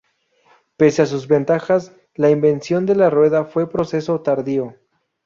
Pese a sus ventajas, la invención de la rueda fue proceso tardío.